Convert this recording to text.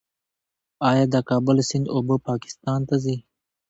آیا د کابل سیند اوبه پاکستان ته ځي؟